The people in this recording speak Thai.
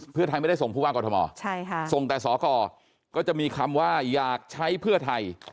เพื่อไทยไม่ได้ส่งผู้ว่ากอทมส่งแต่สกก็จะมีคำว่าอยากใช้เพื่อไทย